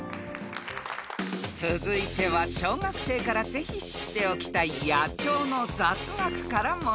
［続いては小学生からぜひ知っておきたい野鳥の雑学から問題］